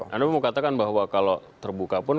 anda mau katakan bahwa kalau terbuka pun